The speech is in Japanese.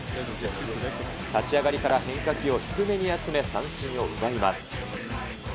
立ち上がりから変化球を低めに集め三振を奪います。